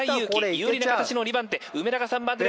有利な形の２番手。